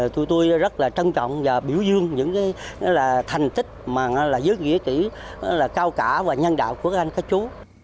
tụi tôi rất là trân trọng và biểu dương những cái thành tích mà là giới nghĩa tử cao cả và nhân đạo của các anh các chú